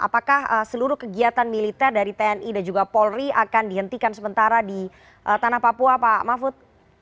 apakah seluruh kegiatan militer dari tni dan juga polri akan dihentikan sementara di tanah papua pak mahfud